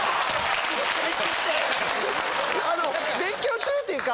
あの別居中っていうか。